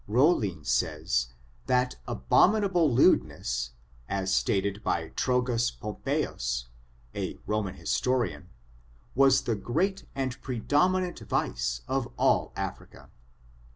RoLLiN says, that abominable lewdness, as stated by TYogus Pompeius^ a Roman historian, was the great and predominant vice of all Africa.